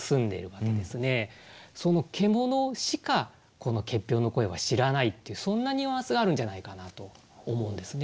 その獣しかこの結氷の声は知らないっていうそんなニュアンスがあるんじゃないかなと思うんですね。